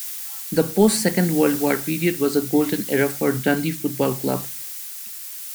The post-Second World War period was a golden era for Dundee Football Club.